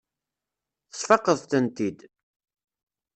Tesfaqeḍ-tent-id.